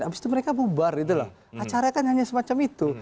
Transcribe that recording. abis itu mereka bubar gitu loh acara kan hanya semacam itu